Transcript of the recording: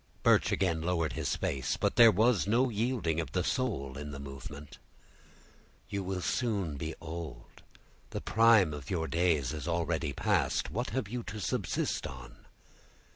Birch again lowered his face, but there was no yielding of the soul in the movement. "You will soon be old; the prime of your days is already past; what have you to subsist on?"